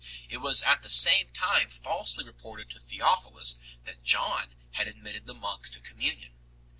It was at the same time falsely reported to Theophilus that John had admitted the monks to communion.